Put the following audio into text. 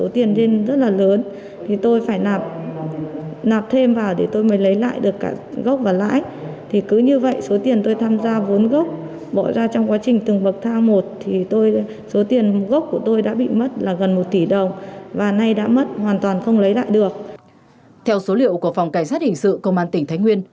theo số liệu của phòng cảnh sát hình sự công an tỉnh thái nguyên